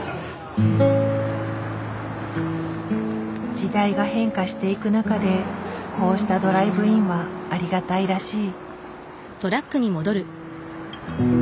時代が変化していく中でこうしたドライブインはありがたいらしい。